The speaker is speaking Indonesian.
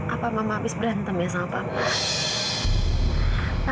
apa mama habis berantem ya sama papa